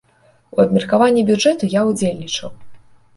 У абмеркаванні бюджэту я ўдзельнічаў.